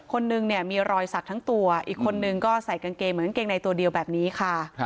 คนนึงเนี่ยมีรอยสักทั้งตัวอีกคนนึงก็ใส่กางเกงเหมือนกางเกงในตัวเดียวแบบนี้ค่ะ